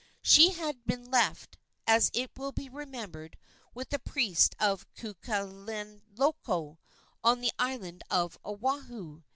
She had been left, it will be remembered, with the priest of Kukaniloko, on the island of Oahu.